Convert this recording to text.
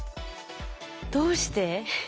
どうして？